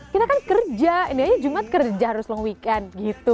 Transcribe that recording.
kita kan kerja ini aja jumat kerja harus long weekend gitu